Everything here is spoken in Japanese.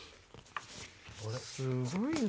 すごいな。